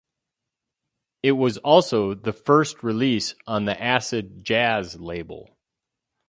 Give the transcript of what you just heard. It was also the first release on the Acid Jazz label.